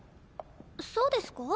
そうですか？